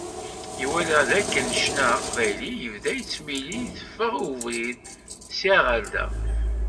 Iwala d akken ccna aqbayli yebda yettmili iteffeɣ i ubrid, sya ɣer da.